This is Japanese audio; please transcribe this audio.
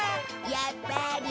やっぱり。